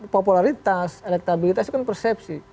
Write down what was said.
popularitas elektabilitas itu kan persepsi